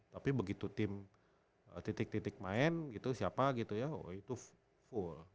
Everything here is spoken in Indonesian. tapi begitu tim titik titik main gitu siapa gitu ya oh itu full